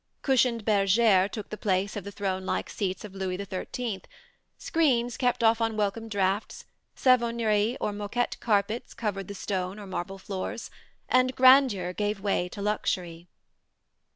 Cushioned bergères took the place of the throne like seats of Louis XIII, screens kept off unwelcome draughts, Savonnerie or moquette carpets covered the stone or marble floors, and grandeur gave way to luxury.